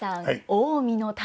近江の旅。